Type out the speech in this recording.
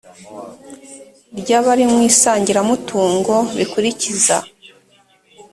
ry abari mu isangiramutungo bikurikiza